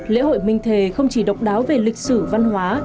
lễ hội minh thề không chỉ độc đáo về lịch sử văn hóa